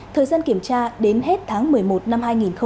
thời gian kiểm tra đến hết tháng một mươi một năm hai nghìn hai mươi